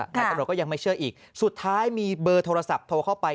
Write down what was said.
แต่ตำรวจก็ยังไม่เชื่ออีกสุดท้ายมีเบอร์โทรศัพท์โทรเข้าไป